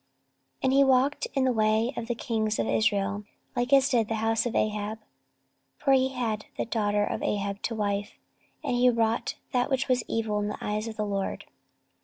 14:021:006 And he walked in the way of the kings of Israel, like as did the house of Ahab: for he had the daughter of Ahab to wife: and he wrought that which was evil in the eyes of the LORD.